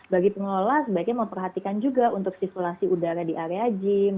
bagi pengelola sebaiknya memperhatikan juga untuk sirkulasi udara di area gym